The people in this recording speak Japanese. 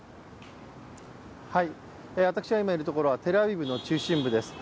私が今いるところはテルアビブの中心部です。